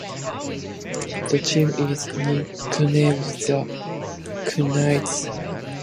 The team is nicknamed the "Knights".